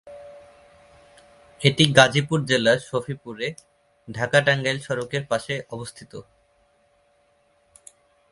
এটি গাজীপুর জেলার সফিপুরে ঢাকা-টাংগাইল সড়কের পাশে অবস্থিত।